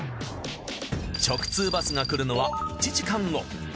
直通バスが来るのは１時間後。